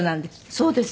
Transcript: そうです。